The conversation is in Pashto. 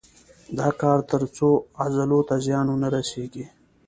دا کار تر څو عضلو ته زیان ونه رسېږي.